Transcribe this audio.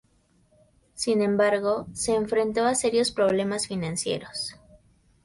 Sin embargo, se enfrentó a serios problemas financieros.